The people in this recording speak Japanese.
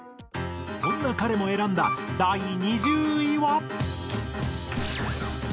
そんな彼も選んだ第２０位は。